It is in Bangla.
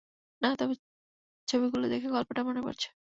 না, তবে ছবিগুলো দেখে গল্পটা মনে পড়ছে!